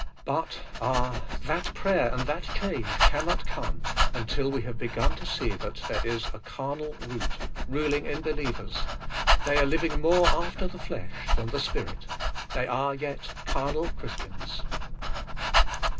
But, ah! that prayer and that change can not come until we have begun to see that there is a carnal root ruling in believers; they are living more after the flesh than the Spirit; they are yet carnal Christians.